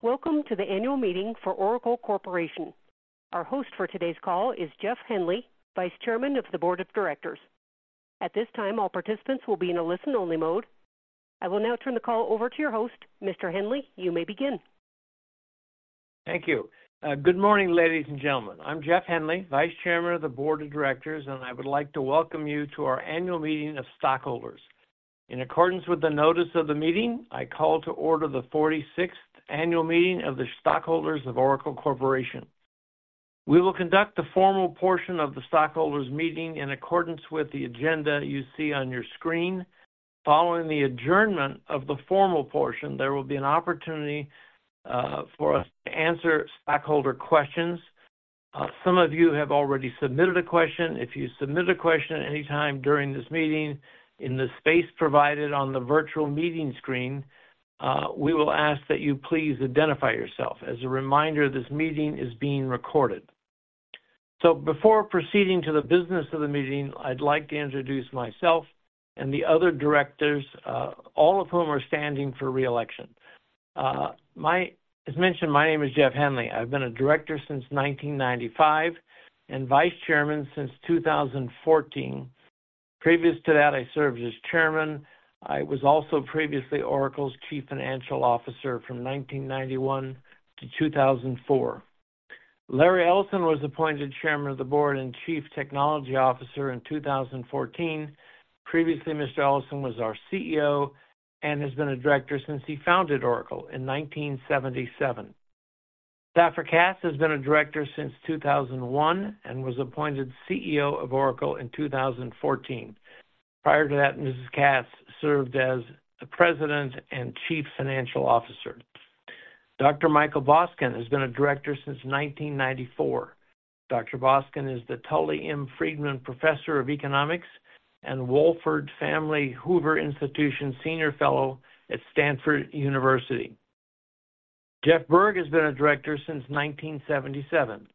Welcome to the annual meeting for Oracle Corporation. Our host for today's call is Jeff Henley, Vice Chairman of the Board of Directors. At this time, all participants will be in a listen-only mode. I will now turn the call over to your host. Mr. Henley, you may begin. Thank you. Good morning, ladies and gentlemen. I'm Jeff Henley, Vice Chairman of the Board of Directors, and I would like to welcome you to our annual meeting of stockholders. In accordance with the notice of the meeting, I call to order the forty-sixth annual meeting of the stockholders of Oracle Corporation. We will conduct the formal portion of the stockholders meeting in accordance with the agenda you see on your screen. Following the adjournment of the formal portion, there will be an opportunity for us to answer stockholder questions. Some of you have already submitted a question. If you submit a question at any time during this meeting in the space provided on the virtual meeting screen, we will ask that you please identify yourself. As a reminder, this meeting is being recorded. So before proceeding to the business of the meeting, I'd like to introduce myself and the other directors, all of whom are standing for re-election. As mentioned, my name is Jeff Henley. I've been a director since 1995 and Vice Chairman since 2014. Previous to that, I served as Chairman. I was also previously Oracle's Chief Financial Officer from 1991 to 2004. Larry Ellison was appointed Chairman of the Board and Chief Technology Officer in 2014. Previously, Mr. Ellison was our CEO and has been a director since he founded Oracle in 1977. Safra Catz has been a director since 2001 and was appointed CEO of Oracle in 2014. Prior to that, Mrs. Catz served as the President and Chief Financial Officer. Dr. Michael Boskin has been a director since 1994. Dr. Boskin is the Tully M. Friedman Professor of Economics and Wohlford Family Hoover Institution senior fellow at Stanford University. Jeff Berg has been a director since 1977.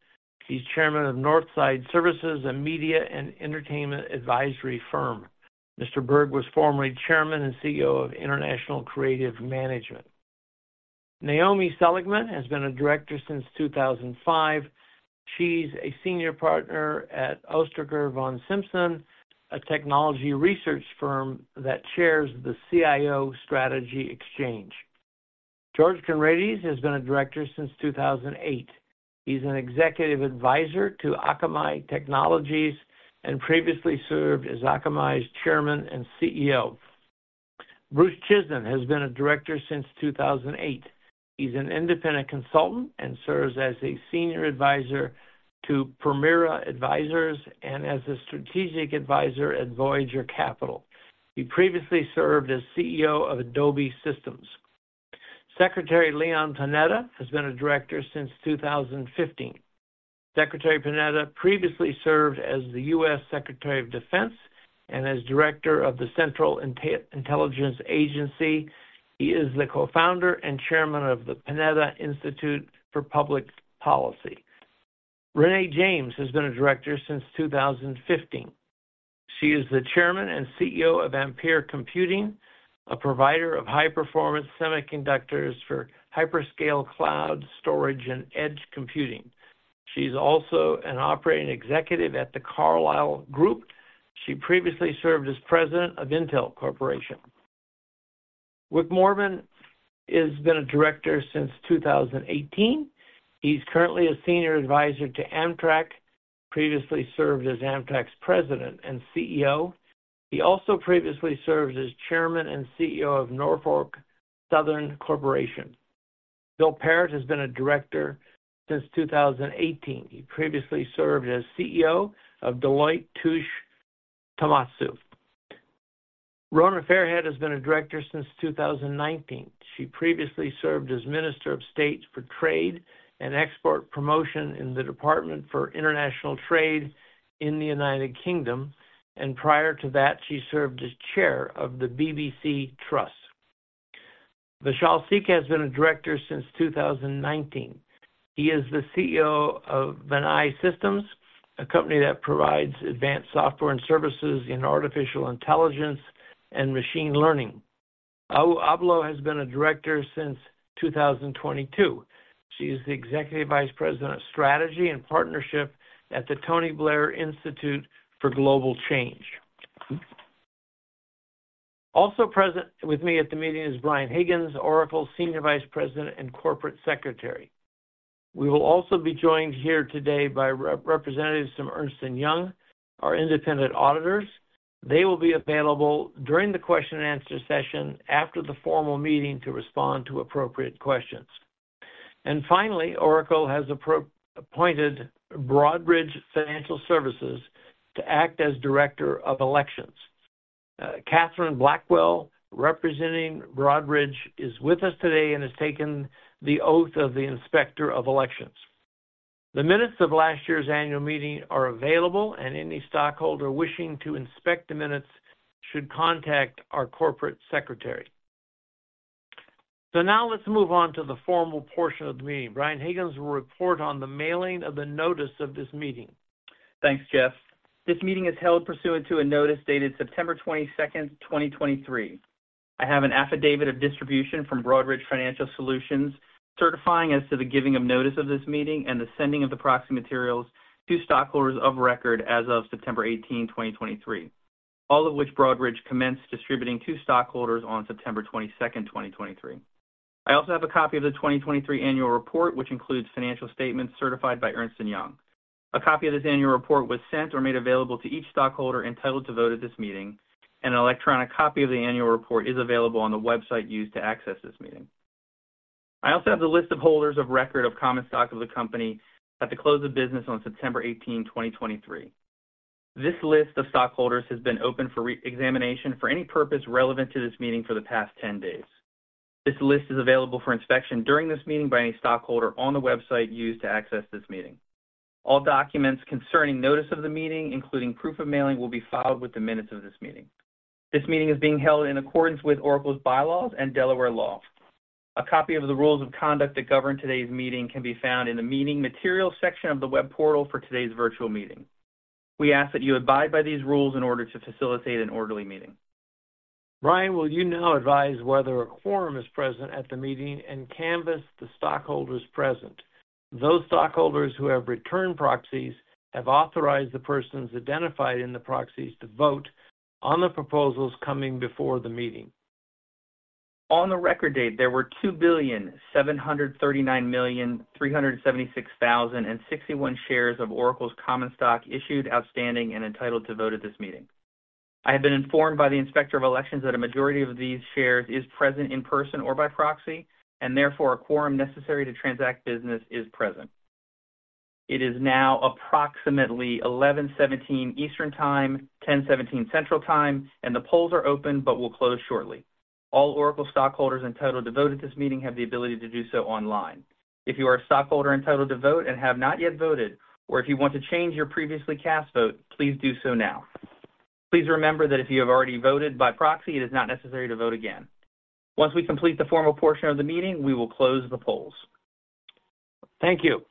He's chairman of Northside Services, a media and entertainment advisory firm. Mr. Berg was formerly chairman and CEO of International Creative Management. Naomi Seligman has been a director since 2005. She's a senior partner at Ostrager von Simpson, a technology research firm that chairs the CIO Strategy Exchange. George Conrades has been a director since 2008. He's an executive advisor to Akamai Technologies and previously served as Akamai's chairman and CEO. Bruce Chizen has been a director since 2008. He's an independent consultant and serves as a senior advisor to Permira Advisers and as a strategic advisor at Voyager Capital. He previously served as CEO of Adobe Systems. Secretary Leon Panetta has been a director since 2015. Secretary Panetta previously served as the U.S. Secretary of Defense and as director of the Central Intelligence Agency. He is the co-founder and chairman of the Panetta Institute for Public Policy. Renee James has been a director since 2015. She is the chairman and CEO of Ampere Computing, a provider of high-performance semiconductors for hyperscale cloud storage and edge computing. She's also an operating executive at The Carlyle Group. She previously served as president of Intel Corporation. Wick Moorman has been a director since 2018. He's currently a senior advisor to Amtrak, previously served as Amtrak's president and CEO. He also previously served as chairman and CEO of Norfolk Southern Corporation. Bill Parrett has been a director since 2018. He previously served as CEO of Deloitte Touche Tohmatsu. Rona Fairhead has been a director since 2019. She previously served as Minister of State for Trade and Export Promotion in the Department for International Trade in the United Kingdom, and prior to that, she served as chair of the BBC Trust. Vishal Sikka has been a director since 2019. He is the CEO of Vianai Systems, a company that provides advanced software and services in artificial intelligence and machine learning. Awo Ablo has been a director since 2022. She is the Executive Vice President of Strategy and Partnership at the Tony Blair Institute for Global Change. Also present with me at the meeting is Brian Higgins, Oracle's Senior Vice President and Corporate Secretary. We will also be joined here today by representatives from Ernst & Young, our independent auditors. They will be available during the question and answer session after the formal meeting to respond to appropriate questions. Finally, Oracle has appointed Broadridge Financial Solutions to act as Inspector of Elections. Catherine Blackwell, representing Broadridge, is with us today and has taken the oath of the Inspector of Elections. The minutes of last year's annual meeting are available, and any stockholder wishing to inspect the minutes should contact our corporate secretary. So now let's move on to the formal portion of the meeting. Brian Higgins will report on the mailing of the notice of this meeting.... Thanks, Jeff. This meeting is held pursuant to a notice dated September 22, 2023. I have an affidavit of distribution from Broadridge Financial Solutions, certifying as to the giving of notice of this meeting and the sending of the proxy materials to stockholders of record as of September 18, 2023. All of which Broadridge commenced distributing to stockholders on September 22, 2023. I also have a copy of the 2023 annual report, which includes financial statements certified by Ernst & Young. A copy of this annual report was sent or made available to each stockholder entitled to vote at this meeting, and an electronic copy of the annual report is available on the website used to access this meeting. I also have the list of holders of record of common stock of the company at the close of business on September 18, 2023. This list of stockholders has been open for re-examination for any purpose relevant to this meeting for the past 10 days. This list is available for inspection during this meeting by any stockholder on the website used to access this meeting. All documents concerning notice of the meeting, including proof of mailing, will be filed with the minutes of this meeting. This meeting is being held in accordance with Oracle's bylaws and Delaware law. A copy of the rules of conduct that govern today's meeting can be found in the Meeting Materials section of the web portal for today's virtual meeting. We ask that you abide by these rules in order to facilitate an orderly meeting. Brian, will you now advise whether a quorum is present at the meeting and canvass the stockholders present? Those stockholders who have returned proxies have authorized the persons identified in the proxies to vote on the proposals coming before the meeting. On the record date, there were 2,739,376,061 shares of Oracle's common stock issued, outstanding, and entitled to vote at this meeting. I have been informed by the Inspector of Elections that a majority of these shares is present in person or by proxy, and therefore a quorum necessary to transact business is present. It is now approximately 11:17 A.M. Eastern Time, 10:17 A.M. Central Time, and the polls are open but will close shortly. All Oracle stockholders entitled to vote at this meeting have the ability to do so online. If you are a stockholder entitled to vote and have not yet voted, or if you want to change your previously cast vote, please do so now. Please remember that if you have already voted by proxy, it is not necessary to vote again. Once we complete the formal portion of the meeting, we will close the polls. Thank you.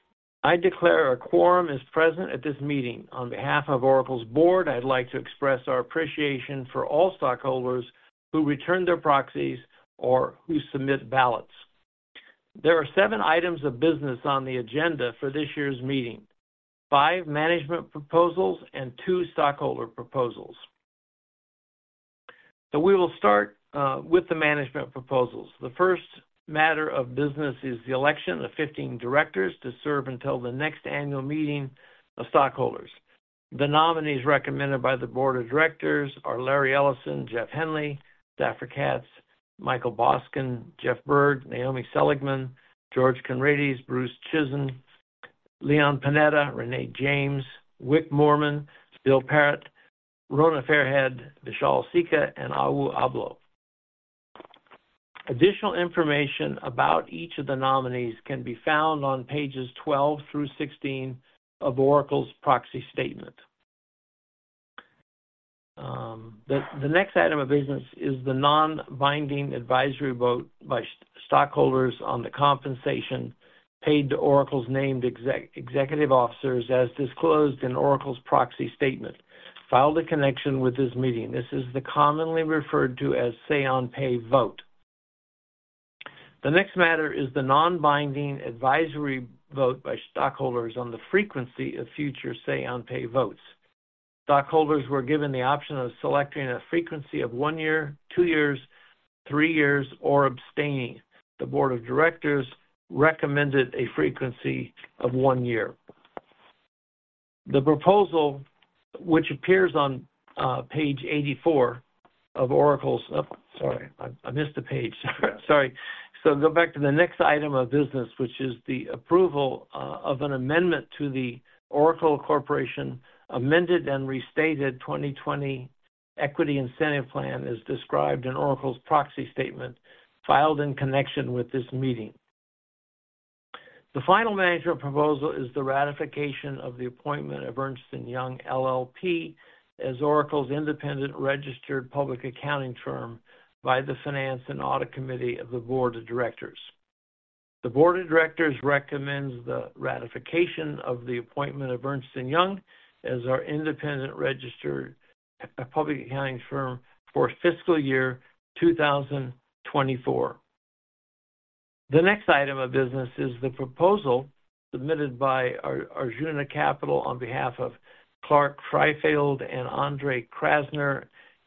I declare a quorum is present at this meeting. On behalf of Oracle's board, I'd like to express our appreciation for all stockholders who returned their proxies or who submit ballots. There are seven items of business on the agenda for this year's meeting, five management proposals and two stockholder proposals. So we will start with the management proposals. The first matter of business is the election of 15 directors to serve until the next annual meeting of stockholders. The nominees recommended by the board of directors are Larry Ellison, Jeff Henley, Safra Catz, Michael Boskin, Jeff Berg, Naomi Seligman, George Conrades, Bruce Chizen, Leon Panetta, Renee James, Wick Moorman, Bill Parrett, Rona Fairhead, Vishal Sikka, and Awo Ablo. Additional information about each of the nominees can be found on pages 12 through 16 of Oracle's proxy statement. The next item of business is the non-binding advisory vote by stockholders on the compensation paid to Oracle's named executive officers, as disclosed in Oracle's proxy statement, filed in connection with this meeting. This is commonly referred to as the Say on Pay vote. The next matter is the non-binding advisory vote by stockholders on the frequency of future Say on Pay votes. Stockholders were given the option of selecting a frequency of one year, two years, three years, or abstaining. The board of directors recommended a frequency of one year. The proposal, which appears on page 84 of Oracle's... Sorry, I missed a page. Sorry. So go back to the next item of business, which is the approval of an amendment to the Oracle Corporation Amended and Restated 2020 Equity Incentive Plan, as described in Oracle's proxy statement, filed in connection with this meeting. The final management proposal is the ratification of the appointment of Ernst & Young LLP as Oracle's independent registered public accounting firm by the Finance and Audit Committee of the Board of Directors. The Board of Directors recommends the ratification of the appointment of Ernst & Young as our independent registered public accounting firm for fiscal year 2024. The next item of business is the proposal submitted by our Arjuna Capital on behalf of Clark Freifeld and Andre Krasner,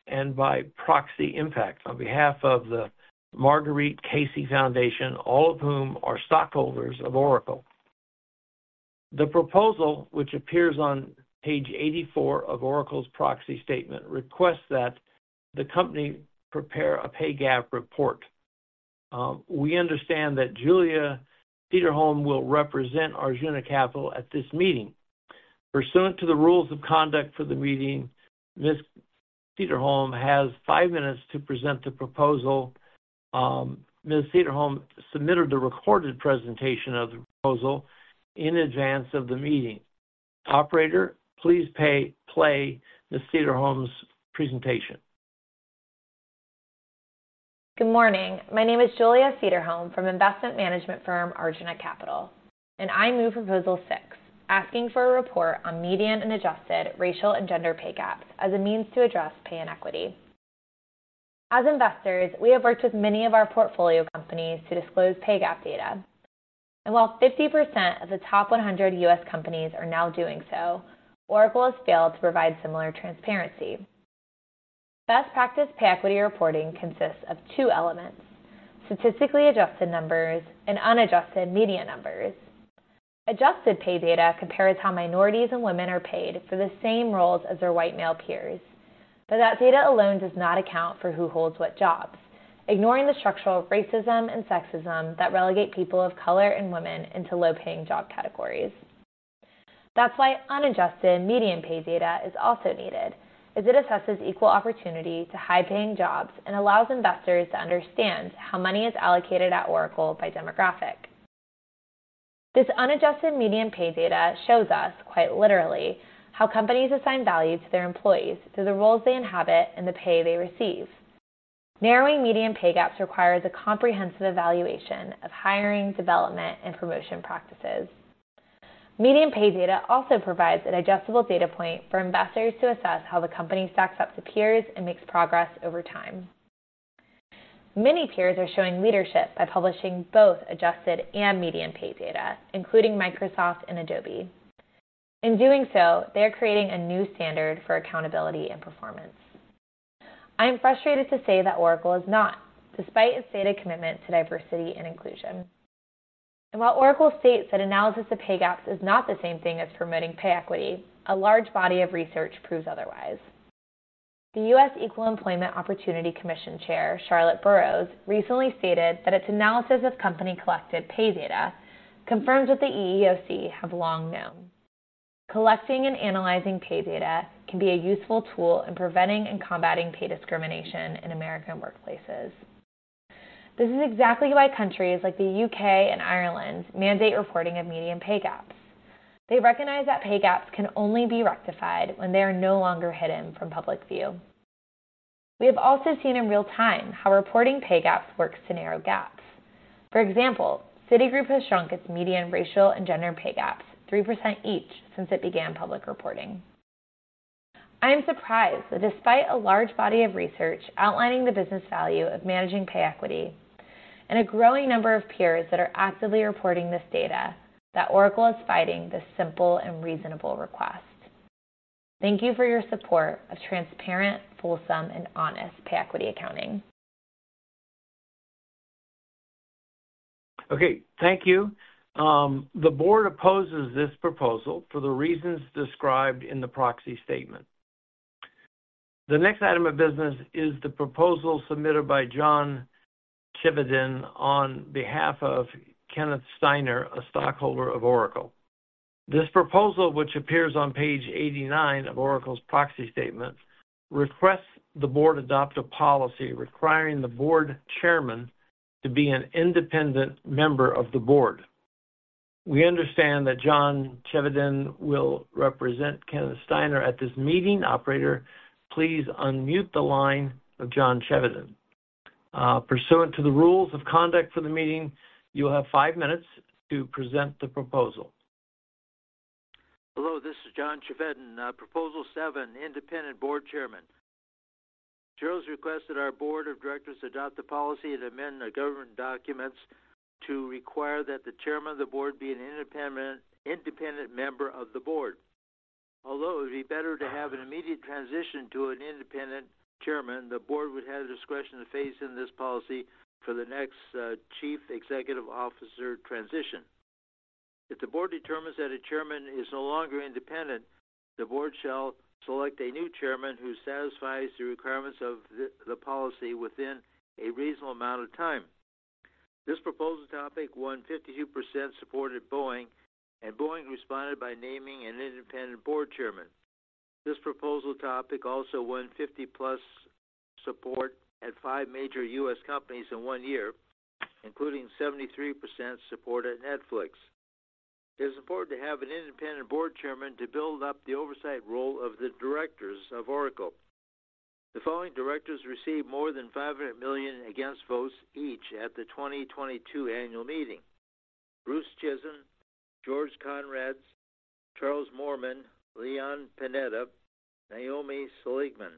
and by Proxy Impact on behalf of the Marguerite Casey Foundation, all of whom are stockholders of Oracle. The proposal, which appears on page 84 of Oracle's proxy statement, requests that the company prepare a pay gap report. We understand that Julia Cederholm will represent Arjuna Capital at this meeting. Pursuant to the rules of conduct for the meeting, Ms. Cederholm has five minutes to present the proposal. Ms. Cederholm submitted the recorded presentation of the proposal in advance of the meeting. Operator, please play Ms. Cederholm's presentation. Good morning. My name is Julia Cederholm from investment management firm Arjuna Capital, and I move Proposal Six, asking for a report on median and adjusted racial and gender pay gaps as a means to address pay inequity. As investors, we have worked with many of our portfolio companies to disclose pay gap data, and while 50% of the top 100 U.S. companies are now doing so, Oracle has failed to provide similar transparency. Best practice pay equity reporting consists of two elements: statistically adjusted numbers and unadjusted median numbers. Adjusted pay data compares how minorities and women are paid for the same roles as their white male peers, but that data alone does not account for who holds what jobs, ignoring the structural racism and sexism that relegate people of color and women into low-paying job categories. That's why unadjusted median pay data is also needed, as it assesses equal opportunity to high-paying jobs and allows investors to understand how money is allocated at Oracle by demographic. This unadjusted median pay data shows us, quite literally, how companies assign value to their employees through the roles they inhabit and the pay they receive. Narrowing median pay gaps requires a comprehensive evaluation of hiring, development, and promotion practices. Median pay data also provides an adjustable data point for investors to assess how the company stacks up to peers and makes progress over time. Many peers are showing leadership by publishing both adjusted and median pay data, including Microsoft and Adobe. In doing so, they are creating a new standard for accountability and performance. I am frustrated to say that Oracle is not, despite its stated commitment to diversity and inclusion. While Oracle states that analysis of pay gaps is not the same thing as promoting pay equity, a large body of research proves otherwise. The U.S. Equal Employment Opportunity Commission Chair, Charlotte Burrows, recently stated that its analysis of company-collected pay data confirms what the EEOC have long known. Collecting and analyzing pay data can be a useful tool in preventing and combating pay discrimination in American workplaces. This is exactly why countries like the UK and Ireland mandate reporting of median pay gaps. They recognize that pay gaps can only be rectified when they are no longer hidden from public view. We have also seen in real time how reporting pay gaps works to narrow gaps. For example, Citigroup has shrunk its median racial and gender pay gaps 3% each since it began public reporting. I am surprised that despite a large body of research outlining the business value of managing pay equity and a growing number of peers that are actively reporting this data, that Oracle is fighting this simple and reasonable request. Thank you for your support of transparent, fulsome, and honest pay equity accounting. Okay, thank you. The board opposes this proposal for the reasons described in the proxy statement. The next item of business is the proposal submitted by John Chevedden on behalf of Kenneth Steiner, a stockholder of Oracle. This proposal, which appears on page 89 of Oracle's proxy statement, requests the board adopt a policy requiring the board chairman to be an independent member of the board. We understand that John Chevedden will represent Kenneth Steiner at this meeting. Operator, please unmute the line of John Chevedden. Pursuant to the rules of conduct for the meeting, you'll have five minutes to present the proposal. Hello, this is John Chevedden. Proposal Seven, Independent Board Chairman. Shareholders request that our board of directors adopt the policy and amend the governance documents to require that the chairman of the board be an independent, independent member of the board. Although it would be better to have an immediate transition to an independent chairman, the board would have the discretion to phase in this policy for the next chief executive officer transition. If the board determines that a chairman is no longer independent, the board shall select a new chairman who satisfies the requirements of the policy within a reasonable amount of time. This proposal topic won 52% support at Boeing, and Boeing responded by naming an independent board chairman. This proposal topic also won 50+% support at five major U.S. companies in one year, including 73% support at Netflix. It is important to have an independent board chairman to build up the oversight role of the directors of Oracle. The following directors received more than 500 million against votes each at the 2022 annual meeting: Bruce Chizen, George Conrades, Wick Moorman, Leon Panetta, Naomi Seligman.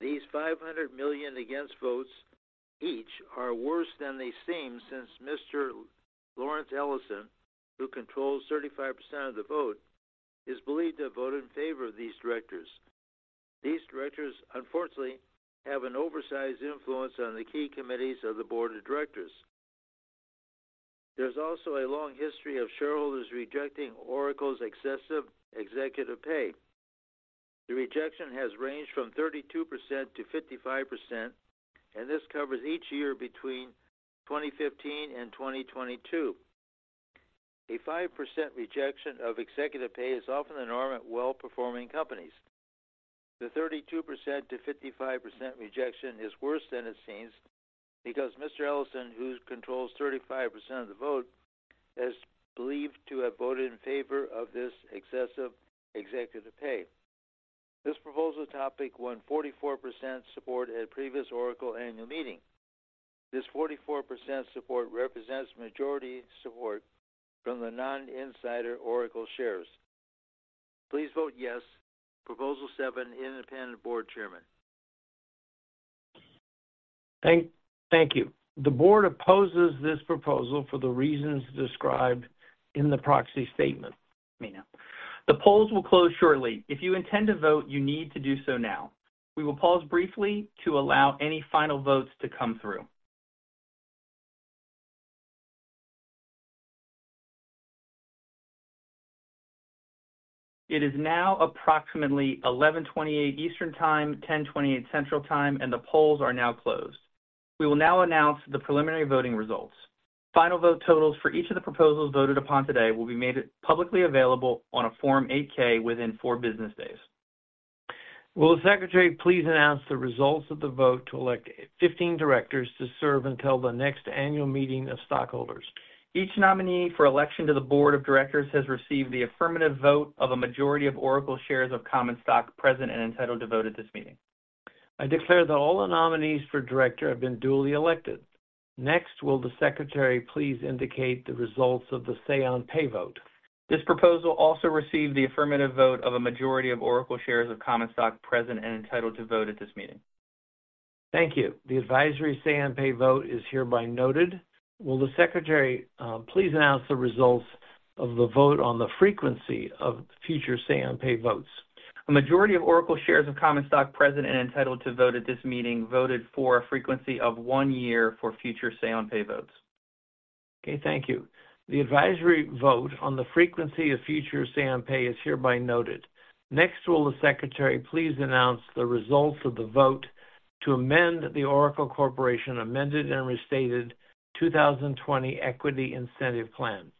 These 500 million against votes each are worse than they seem, since Mr. Lawrence Ellison, who controls 35% of the vote, is believed to have voted in favor of these directors. These directors, unfortunately, have an oversized influence on the key committees of the board of directors. There's also a long history of shareholders rejecting Oracle's excessive executive pay. The rejection has ranged from 32% to 55%, and this covers each year between 2015 and 2022. A 5% rejection of executive pay is often the norm at well-performing companies. The 32%-55% rejection is worse than it seems, because Mr. Ellison, who controls 35% of the vote-... as believed to have voted in favor of this excessive executive pay. This proposal topic won 44% support at previous Oracle annual meeting. This 44% support represents majority support from the non-insider Oracle shares. Please vote yes. Proposal 7, Independent Board Chairman. Thank, thank you. The board opposes this proposal for the reasons described in the proxy statement. The polls will close shortly. If you intend to vote, you need to do so now. We will pause briefly to allow any final votes to come through. It is now approximately 11:28 A.M. Eastern Time, 10:28 A.M. Central Time, and the polls are now closed. We will now announce the preliminary voting results. Final vote totals for each of the proposals voted upon today will be made publicly available on a Form 8-K within four business days. Will the Secretary please announce the results of the vote to elect 15 directors to serve until the next annual meeting of stockholders? Each nominee for election to the Board of Directors has received the affirmative vote of a majority of Oracle shares of common stock present and entitled to vote at this meeting. I declare that all the nominees for director have been duly elected. Next, will the Secretary please indicate the results of the Say on Pay vote? This proposal also received the affirmative vote of a majority of Oracle shares of common stock present and entitled to vote at this meeting. Thank you. The advisory Say on Pay vote is hereby noted. Will the Secretary please announce the results of the vote on the frequency of future Say on Pay votes? A majority of Oracle shares of common stock present and entitled to vote at this meeting, voted for a frequency of one year for future say-on-pay votes. Okay, thank you. The advisory vote on the frequency of future say on pay is hereby noted. Next, will the Secretary please announce the results of the vote to amend the Oracle Corporation amended and restated 2020 Equity Incentive Plan?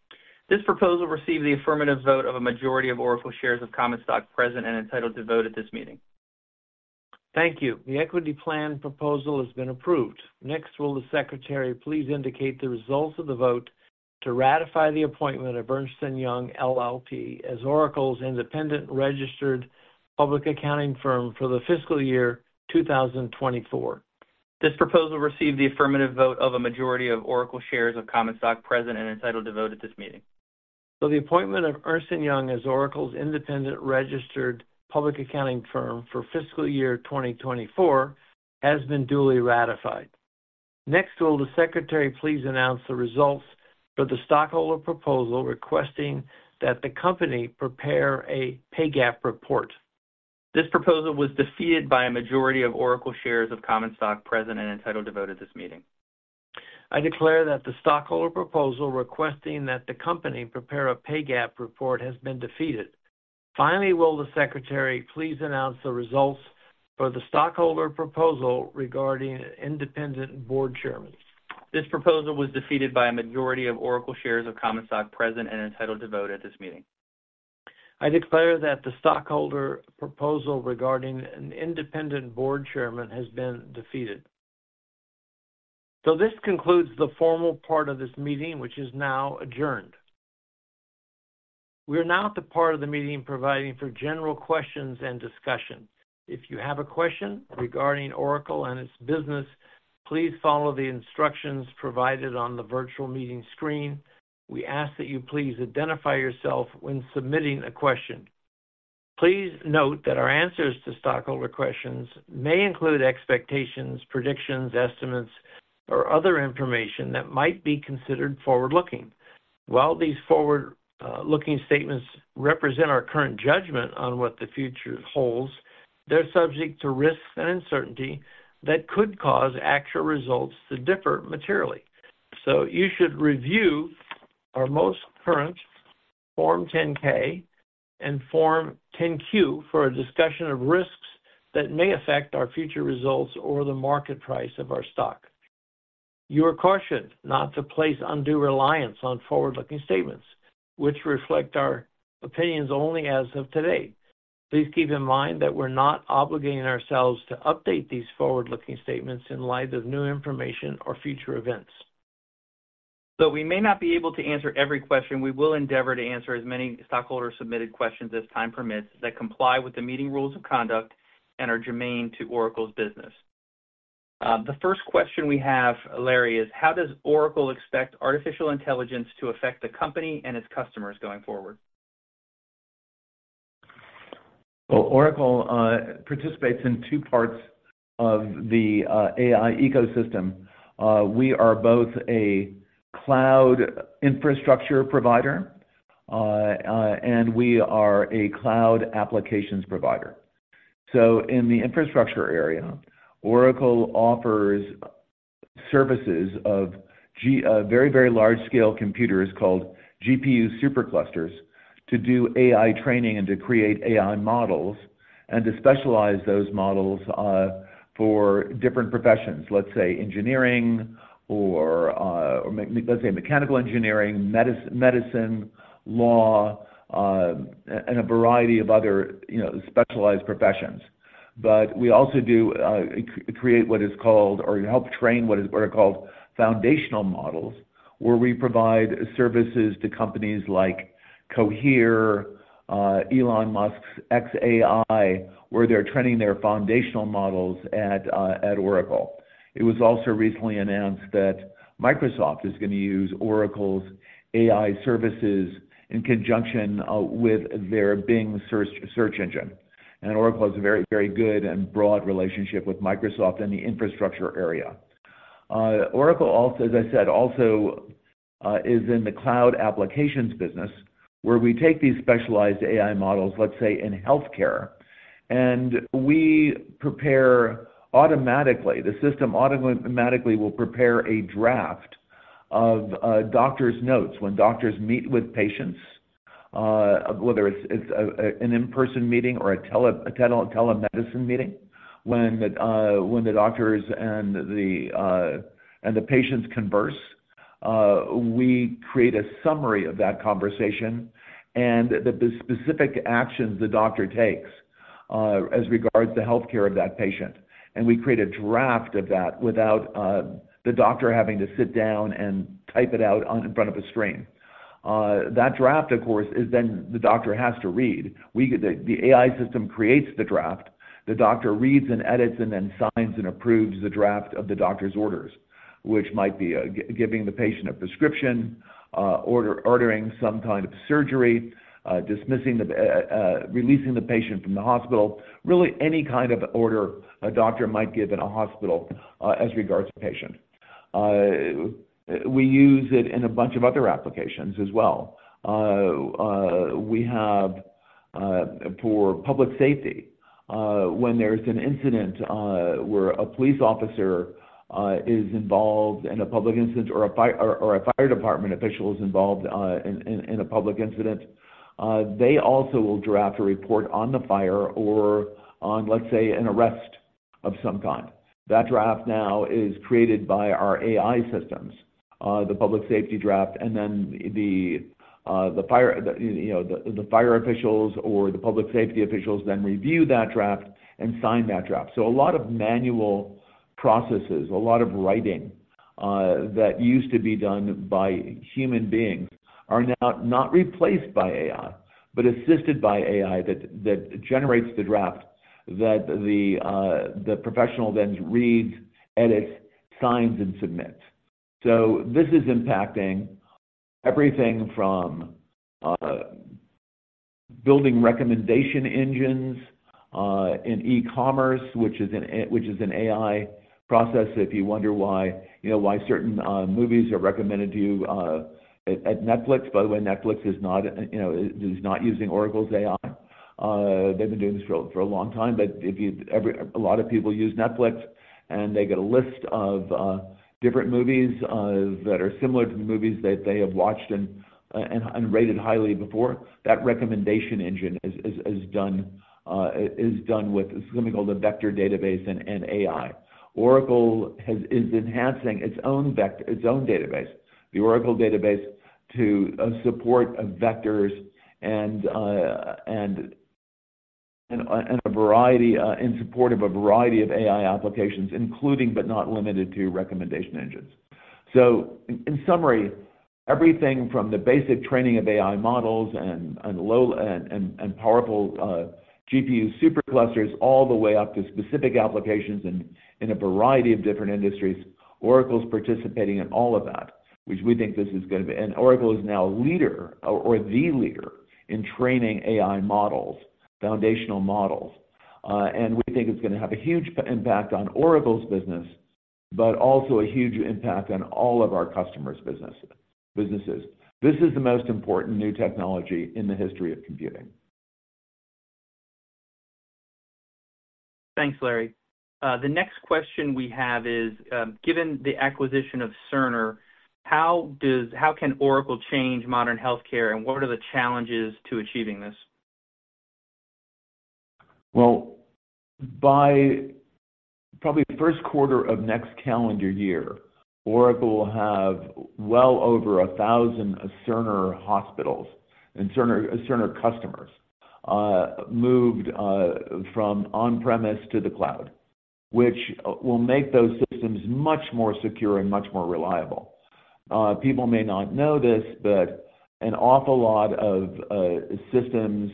This proposal received the affirmative vote of a majority of Oracle shares of common stock present and entitled to vote at this meeting. Thank you. The equity plan proposal has been approved. Next, will the Secretary please indicate the results of the vote to ratify the appointment of Ernst & Young LLP as Oracle's independent registered public accounting firm for the fiscal year 2024. This proposal received the affirmative vote of a majority of Oracle shares of common stock present and entitled to vote at this meeting. So the appointment of Ernst & Young as Oracle's independent registered public accounting firm for fiscal year 2024 has been duly ratified. Next, will the Secretary please announce the results for the stockholder proposal requesting that the company prepare a pay gap report? This proposal was defeated by a majority of Oracle shares of common stock present and entitled to vote at this meeting. I declare that the stockholder proposal requesting that the company prepare a pay gap report has been defeated. Finally, will the Secretary please announce the results for the stockholder proposal regarding independent board chairman? This proposal was defeated by a majority of Oracle shares of common stock present and entitled to vote at this meeting. I declare that the stockholder proposal regarding an independent board chairman has been defeated. So this concludes the formal part of this meeting, which is now adjourned. We are now at the part of the meeting providing for general questions and discussion. If you have a question regarding Oracle and its business, please follow the instructions provided on the virtual meeting screen. We ask that you please identify yourself when submitting a question. Please note that our answers to stockholder questions may include expectations, predictions, estimates, or other information that might be considered forward-looking. While these forward-looking statements represent our current judgment on what the future holds, they're subject to risks and uncertainty that could cause actual results to differ materially. You should review our most current Form 10-K and Form 10-Q for a discussion of risks that may affect our future results or the market price of our stock. You are cautioned not to place undue reliance on forward-looking statements, which reflect our opinions only as of today. Please keep in mind that we're not obligating ourselves to update these forward-looking statements in light of new information or future events. Though we may not be able to answer every question, we will endeavor to answer as many stockholder-submitted questions as time permits, that comply with the meeting rules of conduct and are germane to Oracle's business. The first question we have, Larry, is: How does Oracle expect artificial intelligence to affect the company and its customers going forward? Well, Oracle participates in two parts of the AI ecosystem. We are both a cloud infrastructure provider and we are a cloud applications provider. So in the infrastructure area, Oracle offers services of very, very large-scale computers called GPU Superclusters to do AI training and to create AI models and to specialize those models for different professions, let's say engineering or or let's say mechanical engineering, medicine, law, and a variety of other, you know, specialized professions. But we also do create what is called or help train what are called foundational models, where we provide services to companies like Cohere, Elon Musk's xAI, where they're training their foundational models at Oracle. It was also recently announced that Microsoft is going to use Oracle's AI services in conjunction with their Bing search engine. Oracle has a very, very good and broad relationship with Microsoft in the infrastructure area. Oracle also, as I said, is in the cloud applications business, where we take these specialized AI models, let's say, in healthcare, and we prepare automatically. The system automatically will prepare a draft of doctor's notes when doctors meet with patients, whether it's an in-person meeting or a telemedicine meeting. When the doctors and the patients converse, we create a summary of that conversation and the specific actions the doctor takes as regards the healthcare of that patient. We create a draft of that without the doctor having to sit down and type it out in front of a screen. That draft, of course, is then the doctor has to read. The AI system creates the draft. The doctor reads and edits and then signs and approves the draft of the doctor's orders, which might be giving the patient a prescription, ordering some kind of surgery, dismissing, releasing the patient from the hospital. Really, any kind of order a doctor might give in a hospital as regards to the patient. We use it in a bunch of other applications as well. We have, for public safety, when there's an incident where a police officer is involved in a public incident or a fire department official is involved in a public incident, they also will draft a report on the fire or on, let's say, an arrest of some kind. That draft now is created by our AI systems, the public safety draft, and then the fire, you know, the fire officials or the public safety officials then review that draft and sign that draft. So a lot of manual processes, a lot of writing that used to be done by human beings are now not replaced by AI, but assisted by AI that generates the draft that the professional then reads, edits, signs, and submits. So this is impacting everything from building recommendation engines in e-commerce, which is an AI process. If you wonder why, you know, why certain movies are recommended to you at Netflix. By the way, Netflix is not, you know, using Oracle's AI. They've been doing this for a long time. But a lot of people use Netflix, and they get a list of different movies that are similar to the movies that they have watched and rated highly before. That recommendation engine is done with something called a vector database and AI. Oracle is enhancing its own database, the Oracle Database, to support vectors and in support of a variety of AI applications, including, but not limited to, recommendation engines. So in summary, everything from the basic training of AI models and low and powerful GPU superclusters, all the way up to specific applications in a variety of different industries, Oracle is participating in all of that, which we think this is going to be. Oracle is now a leader or the leader in training AI models, foundational models. We think it's going to have a huge impact on Oracle's business, but also a huge impact on all of our customers' businesses. This is the most important new technology in the history of computing. Thanks, Larry. The next question we have is, given the acquisition of Cerner, how can Oracle change modern healthcare, and what are the challenges to achieving this? Well, by probably the first quarter of next calendar year, Oracle will have well over 1,000 Cerner hospitals and Cerner customers moved from on-premise to the cloud, which will make those systems much more secure and much more reliable. People may not know this, but an awful lot of systems,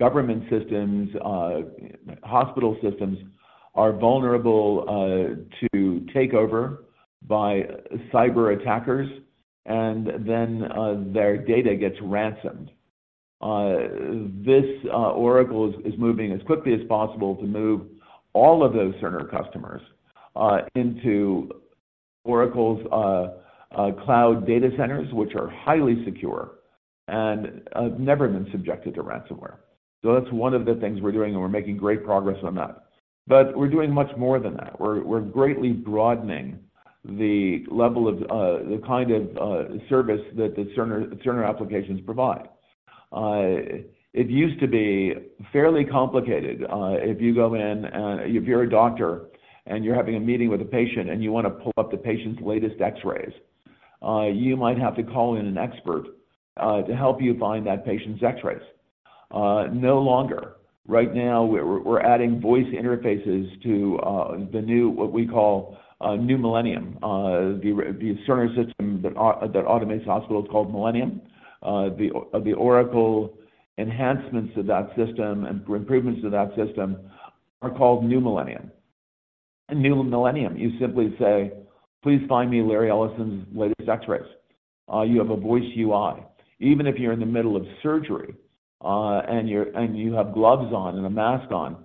government systems, hospital systems are vulnerable to takeover by cyber attackers, and then their data gets ransomed. Oracle is moving as quickly as possible to move all of those Cerner customers into Oracle's cloud data centers, which are highly secure and have never been subjected to ransomware. So that's one of the things we're doing, and we're making great progress on that. But we're doing much more than that. We're greatly broadening the level of the kind of service that the Cerner applications provide. It used to be fairly complicated if you go in and if you're a doctor, and you're having a meeting with a patient, and you want to pull up the patient's latest X-rays. You might have to call in an expert to help you find that patient's X-rays. No longer. Right now, we're adding voice interfaces to the new, what we call, New Millennium. The Cerner system that automates the hospital is called Millennium. The Oracle enhancements to that system and improvements to that system are called New Millennium. In New Millennium, you simply say, "Please find me Larry Ellison's latest X-rays." You have a voice UI. Even if you're in the middle of surgery, and you're, and you have gloves on and a mask on,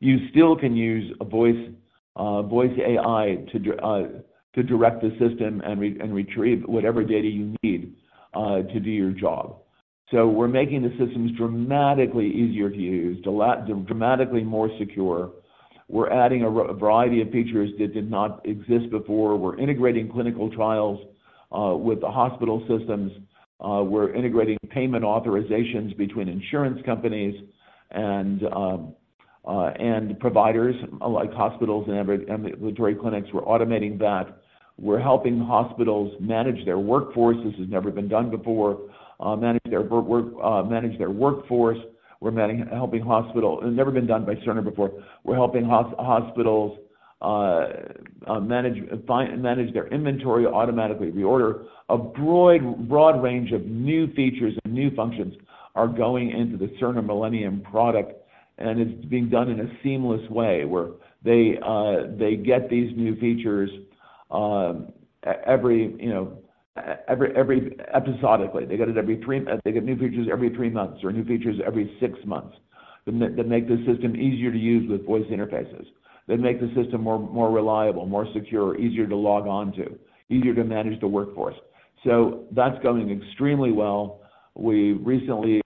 you still can use a voice, voice AI to direct the system and, and retrieve whatever data you need, to do your job. So we're making the systems dramatically easier to use, dramatically more secure. We're adding a variety of features that did not exist before. We're integrating clinical trials, with the hospital systems. We're integrating payment authorizations between insurance companies and, and providers, like hospitals and ambulatory clinics. We're automating that. We're helping hospitals manage their workforce. This has never been done before. Manage their work, manage their workforce. We're helping hospitals. It's never been done by Cerner before. We're helping hospitals, manage, find, manage their inventory, automatically reorder. A broad, broad range of new features and new functions are going into the Cerner Millennium product, and it's being done in a seamless way, where they get these new features, every, you know, every episodically. They get new features every three months or new features every six months, that make the system easier to use with voice interfaces, that make the system more reliable, more secure, easier to log on to, easier to manage the workforce. So that's going extremely well. We recently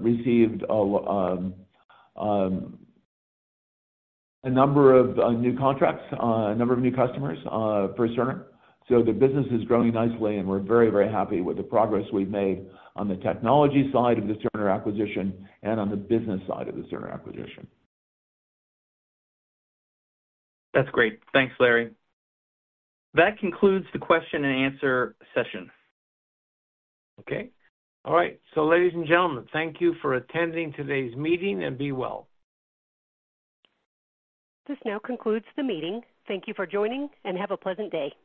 received a number of new contracts, a number of new customers, for Cerner. So the business is growing nicely, and we're very, very happy with the progress we've made on the technology side of the Cerner acquisition and on the business side of the Cerner acquisition. That's great. Thanks, Larry. That concludes the question and answer session. Okay. All right. Ladies and gentlemen, thank you for attending today's meeting, and be well. This now concludes the meeting. Thank you for joining, and have a pleasant day.